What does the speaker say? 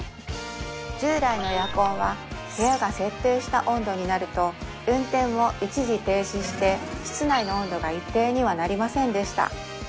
従来のエアコンは部屋が設定した温度になると運転を一時停止して室内の温度が一定にはなりませんでした